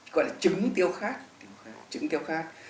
gọi là trứng tiêu khát